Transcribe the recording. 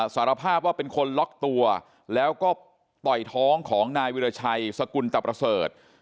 สารภาพว่าเป็นคนล็อกตัวแล้วก็ต่อยท้องของนายวิราชัยสกุลตะประเสริฐ